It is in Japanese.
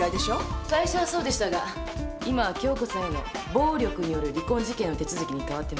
最初はそうでしたが今は京子さんへの暴力による離婚事件の手続きに変わってます。